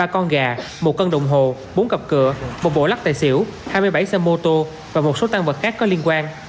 ba con gà một cân đồng hồ bốn cặp cửa một bộ lắc tài xỉu hai mươi bảy xe mô tô và một số tăng vật khác có liên quan